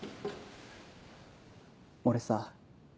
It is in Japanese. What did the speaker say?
俺さ